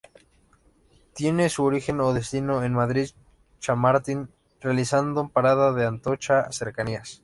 Tienen su origen o destino en Madrid-Chamartín, realizando parada en Atocha Cercanías.